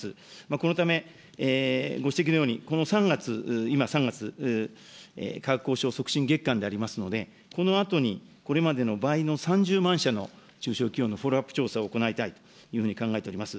このため、ご指摘のように、この３月、今３月、価格交渉促進月間でありますので、このあとにこれまでの倍の３０万社の中小企業のフォローアップ調査を行いたいというふうに考えております。